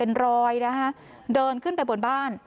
เป็นรอยนะฮะเดินขึ้นไปบนบ้าน